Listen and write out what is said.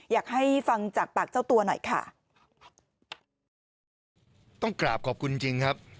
อยากให้ฟังจากปากเจ้าตัวหน่อยค่ะ